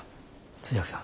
通訳さん。